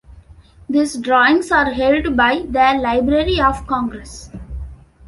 These drawings are held by the Library of Congress.